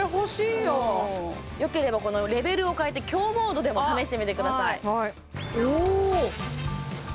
良ければこのレベルを変えて強モードでも試してみてくださいおおああ